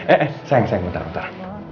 eh eh sayang sayang bentar bentar